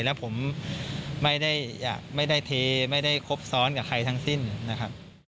แล้วผมไม่ได้อยากไม่ได้เทไม่ได้ครบซ้อนกับใครทั้งสิ้นนะครับ